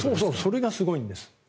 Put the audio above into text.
それがすごいんです。